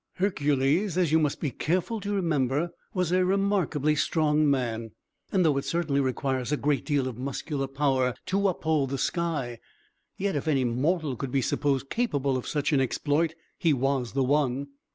Hercules, as you must be careful to remember, was a remarkably strong man; and though it certainly requires a great deal of muscular power to uphold the sky, yet, if any mortal could be supposed capable of such an exploit, he was the one.